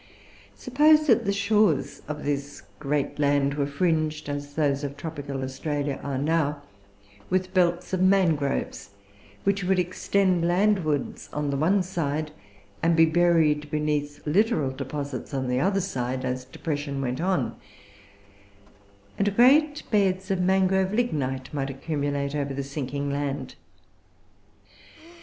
Suppose that the shores of this great land were fringed, as those of tropical Australia are now, with belts of mangroves, which would extend landwards on the one side, and be buried beneath littoral deposits on the other side, as depression went on; and great beds of mangrove lignite might accumulate over the sinking land.